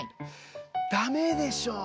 ダメでしょ！